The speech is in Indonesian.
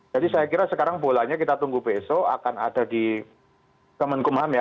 jadi saya kira sekarang bolanya kita tunggu besok akan ada di kemenkumham ya